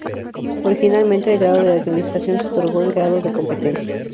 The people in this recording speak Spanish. Originalmente, el grado de acreditación se otorgó en grados de "competencia".